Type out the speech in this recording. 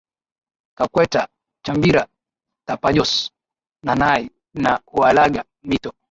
Caqueta Chambira Tapajos Nanay na Huallaga mito